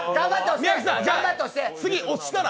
次押したら？